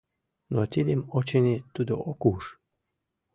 Но тидым, очыни, тудо ок уж.